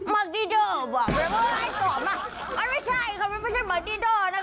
มากเลยเค้าบอกไม่ว่าให้ตอบมา